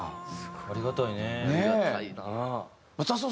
ありがたいね。